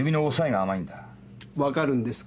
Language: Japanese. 分かるんですか？